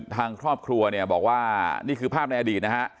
ทางครอบครัวบอกว่านี่คือภาพในอดีต